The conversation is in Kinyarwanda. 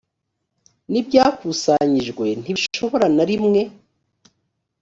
n ibyakusanyijwe ntibishobora na rimwe